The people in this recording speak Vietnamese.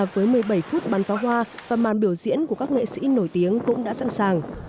với một mươi bảy phút bắn pháo hoa và màn biểu diễn của các nghệ sĩ nổi tiếng cũng đã sẵn sàng